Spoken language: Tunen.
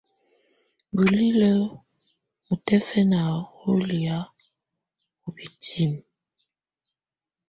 Bulilǝ́ mutɛ̀fana wù lɛ̀́á ù bǝtinǝ́.